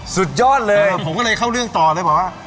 สุดยอดเลยผมก็เลยเข้าเรื่องต่อเลยบอกว่า